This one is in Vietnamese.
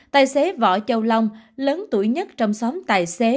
tài xế võ châu long lớn tuổi nhất trong xóm tài xế